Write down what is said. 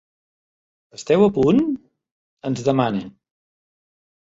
Esteu a punt? —ens demana.